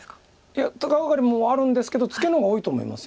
いや高ガカリもあるんですけどツケの方が多いと思います